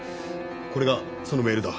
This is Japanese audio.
これがそのメールだ。